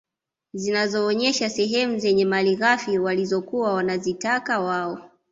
Zinazoonyesha sehemu zenye malighafi walizokuwa wanazitaka wao